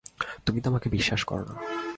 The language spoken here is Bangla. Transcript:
তুমি তো আমাকে বিশ্বাস করো না।